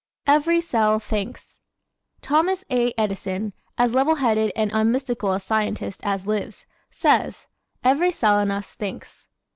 "Every Cell Thinks" ¶ Thomas A. Edison, as level headed and unmystical a scientist as lives, says, "Every cell in us thinks."